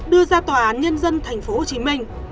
đưa ra tòa án nhân dân tp hcm